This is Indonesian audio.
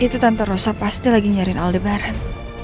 hai itu tante rossa pasti lagi nyari nolebaran